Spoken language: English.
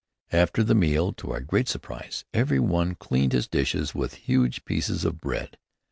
After the meal, to our great surprise, every one cleaned his dishes with huge pieces of bread.